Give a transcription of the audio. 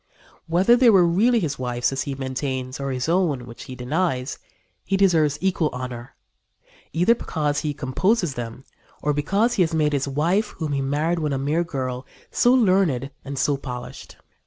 Whether they were really his wife's, as he maintains, or his own, which he denies, he deserves equal honor, either because he composes them or because he has made his wife, whom he married when a mere girl, so learned and so polished."